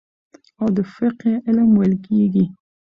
او د فقهي علم ويل کېږي.